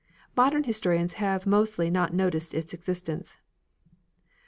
Modern historians have mostly not noticed its existence.